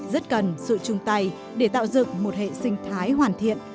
rất cần sự chung tay để tạo dựng một hệ sinh thái hoàn thiện